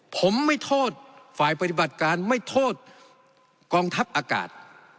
ผมไม่โทษฝ่ายปฏิบัติการไม่โทษกองทัพอากาศ